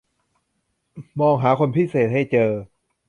มองหาคนพิเศษให้เจอ